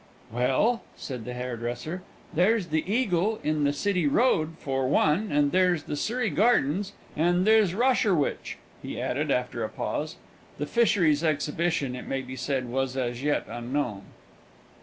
"Well," said the hairdresser, "there's the Eagle in the City Road, for one; and there's the Surrey Gardens; and there's Rosherwich," he added, after a pause. (The Fisheries Exhibition, it may be said, was as yet unknown.)